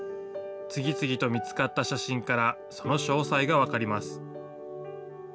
次々と見つかった写真から、その詳細が分かります。